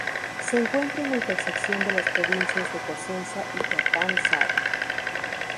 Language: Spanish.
Se encuentra en la intersección de las provincias de Cosenza y Catanzaro.